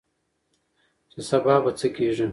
چې سبا به څه کيږي؟